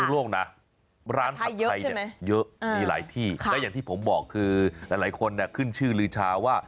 และอย่างที่ผมบอกคือหลายคนขึ้นชื่อลื้อชาว่า